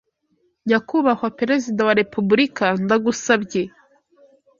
Nyakubaha perezida wa repuburika ndagusabye